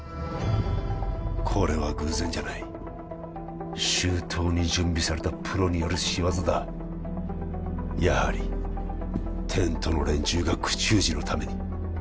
これは偶然じゃない周到に準備されたプロによる仕業だやはりテントの連中が口封じのために？